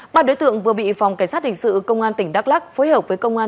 ba đối tượng vừa bị phòng cảnh sát hình sự công an tỉnh đắk lắc phối hợp với công an